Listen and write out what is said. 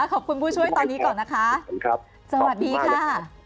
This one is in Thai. ผู้ช่วยตอนนี้ก่อนนะคะสวัสดีค่ะ